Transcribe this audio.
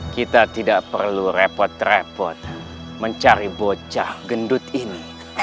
kita tidak perlu repot repot mencari bocah gendut ini